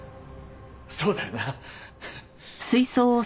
そうだよな。